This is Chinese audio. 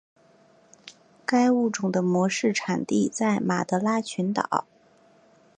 该物种的模式产地在马德拉群岛。